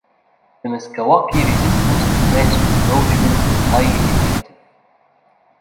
The Meskwaki resistance to French encroachment was highly effective.